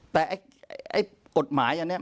แต่ไอ้กฎหมายอันนี้